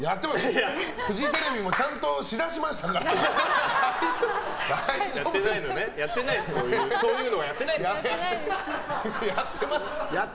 フジテレビもちゃんとし出しましたからそういうのはやってないです！